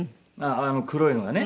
あの黒いのがね。